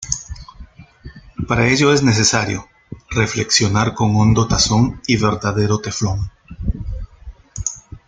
Para ello es necesario ""reflexionar con hondo tazón, y verdadero teflón"".